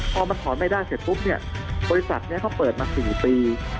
พอมันถอนไม่ได้เสร็จปุ๊บเนี่ยบริษัทนี้เขาเปิดมา๔ปี